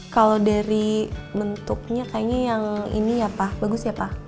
kalau dari bentuknya kayaknya yang ini ya pah bagus ya pah